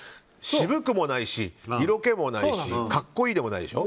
渋くもないし、色気もないし格好いいでもないでしょ。